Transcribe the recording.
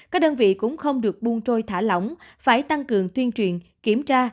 các đơn vị cũng không được buôn trôi thả lỏng phải tăng cường tuyên truyền kiểm tra